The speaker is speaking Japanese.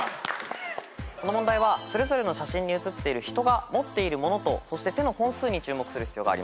この問題はそれぞれの写真に写っている人が持っている物とそして手の本数に注目する必要があります。